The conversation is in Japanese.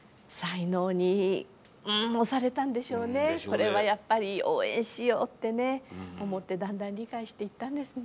これはやっぱり応援しようってね思ってだんだん理解していったんですね。